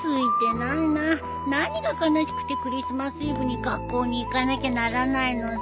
何が悲しくてクリスマスイブに学校に行かなきゃならないのさ。